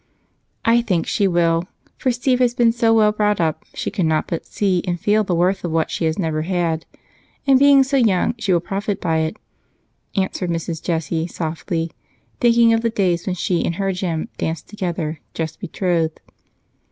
"I think she will, for Steve has been so well brought up, she cannot but see and feel the worth of what she has never had, and being so young she will profit by it," answered Mrs. Jessie softly, thinking of the days when she and her Jem danced together, just betrothed.